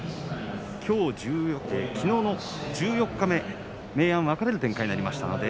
きのうの十四日目明暗分かれる展開になりました。